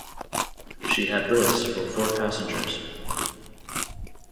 She had berths for four passengers.